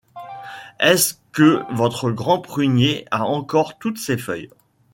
Est-ce que votre grand prunier a encore toutes ses feuilles ?